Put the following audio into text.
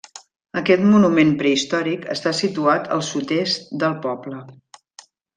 Aquest monument prehistòric està situat al sud-est del poble.